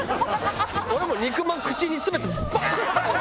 俺もう肉まん口に詰めてバーン！